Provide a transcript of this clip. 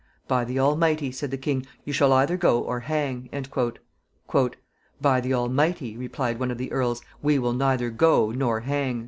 "By the Almighty," said the king, "you shall either go or hang." "By the Almighty," replied one of the earls, "we will neither go nor hang."